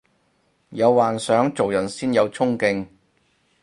有幻想做人先有沖勁